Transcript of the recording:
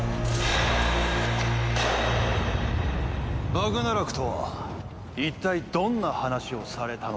バグナラクとは一体どんな話をされたのですか？